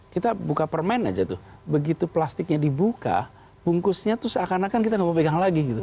kita buka permen aja tuh begitu plastiknya dibuka bungkusnya tuh seakan akan kita nggak mau pegang lagi gitu